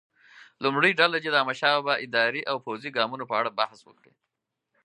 لومړۍ ډله دې د احمدشاه بابا اداري او پوځي ګامونو په اړه بحث وکړي.